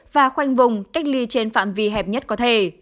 và khoanh vùng cách ly trên phạm vi hẹp nhất có thể